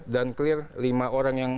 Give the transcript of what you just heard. dan clear lima orang yang